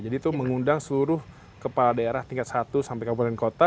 jadi itu mengundang seluruh kepala daerah tingkat satu sampai kabupaten kota